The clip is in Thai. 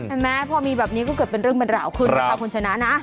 จริงไหมครับพ่อมีแบบนี้ก็เกิดเป็นเรื่องบ้านเหล่าคุณครับคุณฉนะนะ